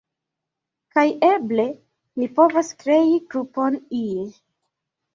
kaj eble ni povas krei grupon ie